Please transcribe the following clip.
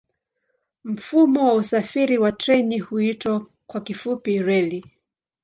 Mfumo wa usafiri kwa treni huitwa kwa kifupi reli.